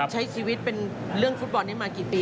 ใช้ชีวิตเป็นเรื่องฟุตบอลนี้มากี่ปี